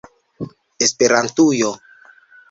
Esperantujo!